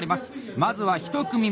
まずは１組目。